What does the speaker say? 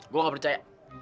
gua nggak percaya